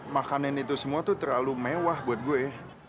makanan itu semua tuh terlalu mewah buat gue ya